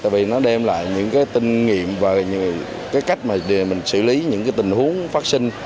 vì nó đem lại những tinh nghiệm và cách xử lý những tình huống phát sinh